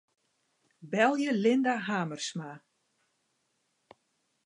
Belje Linda Hamersma.